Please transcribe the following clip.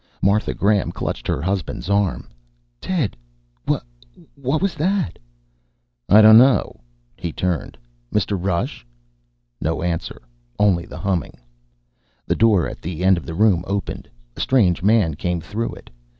Martha Graham clutched her husband's arm. "Ted! Wha what was that?" "I dunno." He turned. "Mr. Rush!" No answer. Only the humming. The door at the end of the room opened. A strange man came through it.